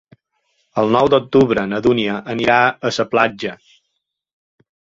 El nou d'octubre na Dúnia anirà a la platja.